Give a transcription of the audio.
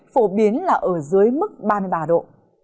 phổ biến là ở dưới mức ba mươi ba độ